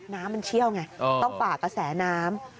น้ำมันเชี่ยวไงต้องฝ่ากระแสน้ำ